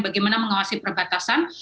bagaimana mengawasi perbatasan